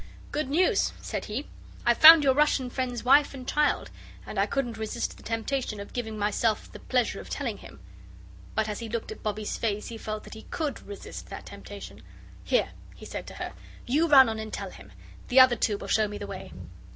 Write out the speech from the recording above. "Good news," said he. "I've found your Russian friend's wife and child and I couldn't resist the temptation of giving myself the pleasure of telling him." But as he looked at Bobbie's face he felt that he COULD resist that temptation. "Here," he said to her, "you run on and tell him. The other two will show me the way."